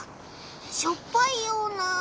しょっぱいような。